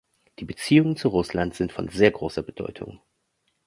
Die Beziehungen zu Russland sind von sehr großer Bedeutung.